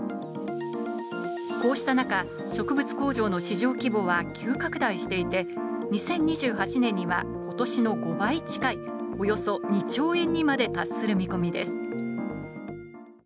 こうした中、植物工場の市場規模は急拡大していて、２０２８年にはことしの５倍近い、およそ２兆円にまで達する見込みです。